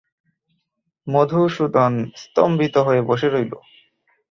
মধুসূদন স্তম্ভিত হয়ে বসে রইল।